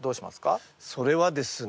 それはですね